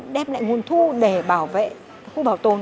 đem lại nguồn thu để bảo vệ khu bảo tồn